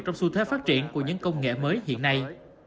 trong xu thế phát triển của những công nghệ mới hiện nay